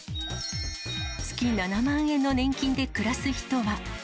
月７万円の年金で暮らす人は。